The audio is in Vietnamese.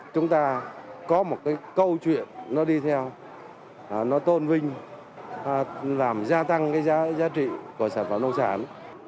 chúng ta có một cái câu chuyện nó đi theo nó tôn vinh làm gia tăng cái giá trị của sản phẩm nông sản